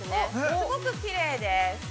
すごくきれいです。